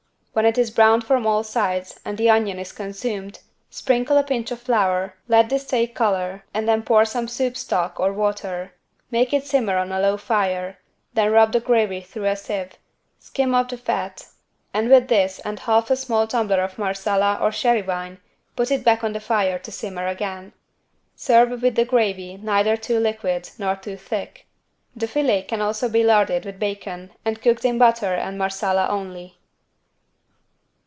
When it is browned from all sides and the onion is consumed, sprinkle a pinch of flour, let this take color and then pour some soup stock or water. Make it simmer on a low fire, then rub the gravy through a sieve, skim off the fat and with this and half a small tumbler of Marsala or Sherry wine put it back on the fire to simmer again. Serve with the gravy neither too liquid nor too thick. The filet can also be larded with bacon and cooked in butter and Marsala only.